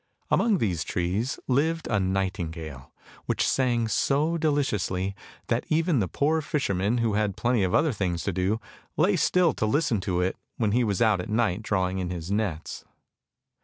Among these trees lived a nightingale, which sang so deliciously, that even the poor fisher man who had plenty of other things to do, lay still to listen to it, when he was out at night drawing in his nets.